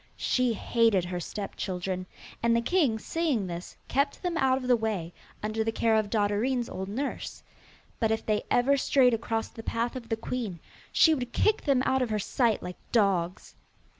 She hated her step children, and the king, seeing this, kept them out of the way, under the care of Dotterine's old nurse. But if they ever strayed across the path of the queen, she would kick them out of her sight like dogs.